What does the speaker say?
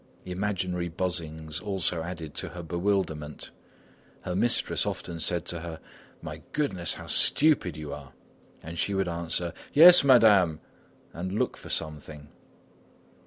Imaginary buzzings also added to her bewilderment. Her mistress often said to her: "My goodness, how stupid you are!" and she would answer: "Yes, Madame," and look for something.